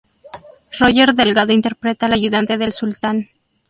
Roger Delgado interpreta al ayudante del sultán.